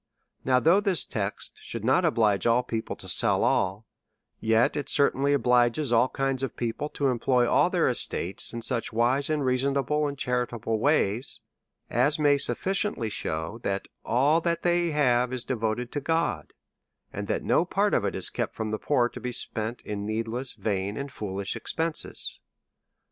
Now, though this text should not oblige all people to sell all, yet it certainly obliges all kinds of people to employ all their estates in such wise, reasonable, and charitable ways, as may sufficiently shew that all that they have is devoted to God, and that no part of it is kept from the poor to be spent in needless, vain, and foolish expenses.